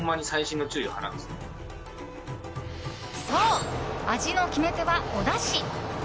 そう、味の決め手はおだし。